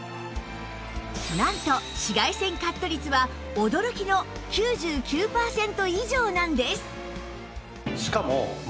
なんと紫外線カット率は驚きの９９パーセント以上なんです